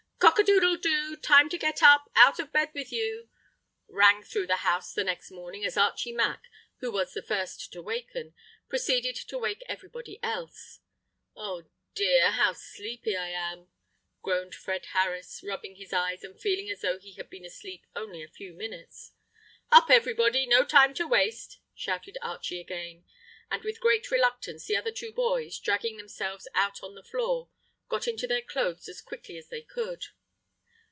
"Cock a doodle doo! Time to get up! Out of bed with you!" rang through the house the next morning, as Archie Mack, who was the first to waken, proceeded to waken everybody else. "Oh dear, how sleepy I am!" groaned Fred Harris, rubbing his eyes, and feeling as though he had been asleep only a few minutes. "Up, everybody, no time to waste!" shouted Archie again; and with great reluctance the other two boys, dragging themselves out on the floor, got into their clothes as quickly as they could.